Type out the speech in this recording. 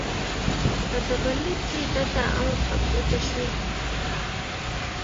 په ډبرلیک کې دده عمر په ګوته شوی دی.